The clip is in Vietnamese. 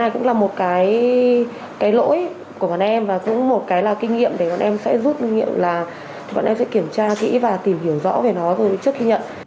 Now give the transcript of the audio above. của bọn em và cũng một cái là kinh nghiệm để bọn em sẽ rút kinh nghiệm là bọn em sẽ kiểm tra kỹ và tìm hiểu rõ về nó rồi chức nhận